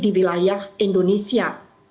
di wilayah indonesia